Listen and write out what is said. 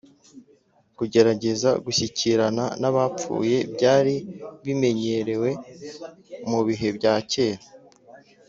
Kugerageza gushyikirana n abapfuye byari bimenyerewe mu bihe bya kera